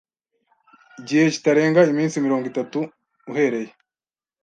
gihe kitarenga iminsi mirongo itatu uhereye